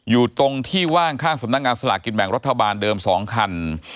อยู่ตรงที่ว่างข้างสำนักงานสลากกินแบ่งรัฐบาลเดิม๒คัน